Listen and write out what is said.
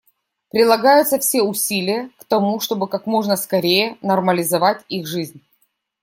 Прилагаются все усилия к тому, чтобы как можно скорее нормализовать их жизнь.